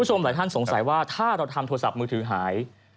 คุณผู้ชมหลายท่านสงสัยว่าถ้าเราทำโทรศัพท์มือถือหาย